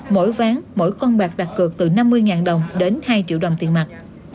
mỗi ván mỗi con bạc đặt cược từ năm mươi đồng đến hai triệu đồng tiền mặt